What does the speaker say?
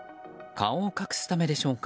顔を隠すためでしょうか。